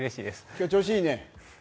今日、調子いいね。